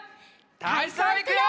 たいそういくよ！